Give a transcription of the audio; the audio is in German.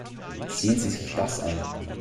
Sehen Sie sich das an.